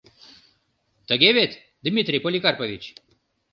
Тыге вет, Дмитрий Поликарпович?